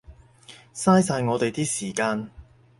嘥晒我哋啲時間